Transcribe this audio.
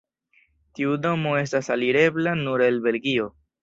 Tiu domo estas alirebla nur el Belgio.